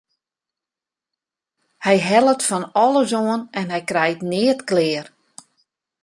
Hy hellet fan alles oan en hy krijt neat klear.